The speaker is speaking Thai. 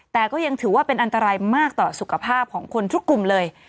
แต่ก็ยังถือว่าเป็นอันตรายมากต่อสุขภาพของคนทุกกลุ่มเลย